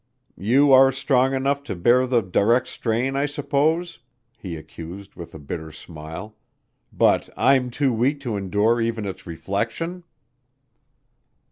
"You are strong enough to bear the direct strain, I suppose," he accused with a bitter smile. "But I'm too weak to endure even its reflection."